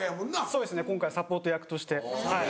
そうですね今回サポート役としてはい。